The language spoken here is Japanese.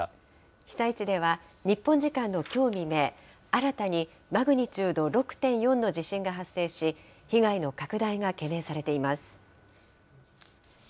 被災地では日本時間のきょう未明、新たにマグニチュード６．４の地震が発生し、被害の拡大が懸念されています。